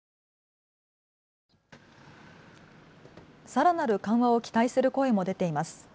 さらなる緩和を期待する声も出てます。